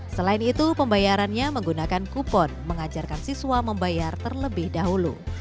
selain itu pembayarannya menggunakan kupon mengajarkan siswa membayar terlebih dahulu